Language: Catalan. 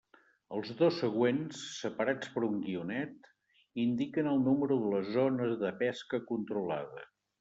Els dos següents, separats per un guionet, indiquen el número de la zona de pesca controlada.